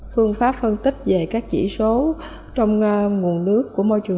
phương pháp phân tích về các chỉ số trong nguồn nước của môi trường